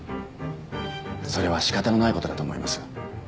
それは仕方のない事だと思います。